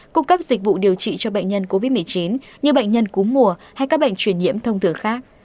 cung cấp dịch vụ điều trị cho bệnh nhân covid một mươi chín như bệnh nhân cúm mùa hay các bệnh truyền nhiễm thông thường khác